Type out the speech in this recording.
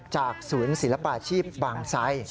จากศูนย์ศิลปาชีพบางไซ